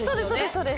そうです